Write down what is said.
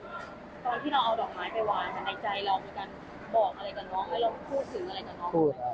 ในใจเราเหมือนกันบอกอะไรกับน้องให้เราพูดถึงอะไรกับน้อง